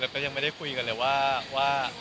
ก็ยังไม่ได้คุยกันเลยว่า